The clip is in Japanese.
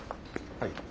はい。